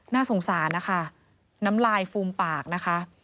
น่าสงสารนะคะน้ำลายฟูมปากนะคะ